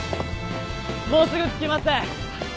もうすぐ着きます！